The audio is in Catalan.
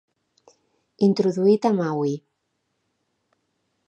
Introduït a Maui.